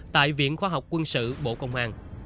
tại viện khoa học quân sự bộ công an